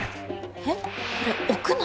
えっこれ屋内？